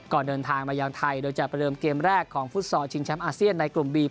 เดินทางมายังไทยโดยจะประเดิมเกมแรกของฟุตซอลชิงแชมป์อาเซียนในกลุ่มบี